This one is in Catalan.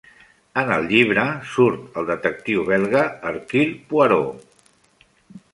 En el llibre surt el detectiu belga Hercule Poirot.